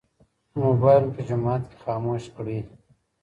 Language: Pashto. موبایل مو په جومات کې خاموش کړئ.